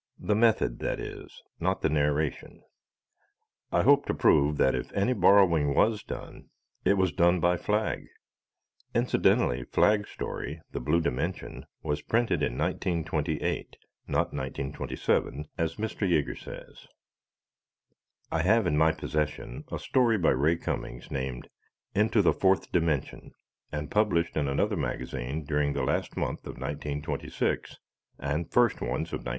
The method, that is, not the narration. I hope to prove that if any borrowing was done, it was done by Flagg. Incidentally, Flagg's story "The Blue Dimension" was printed in 1928, not 1927, as Mr. Jaeger says. I have in my possession a story by Ray Cummings named "Into the Fourth Dimension" and published in another magazine during the last month of 1926 and first ones of 1927.